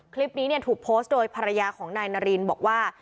คลิปนี้ถูกโพสต์โดยภรรยาของนายนารินบอกว่า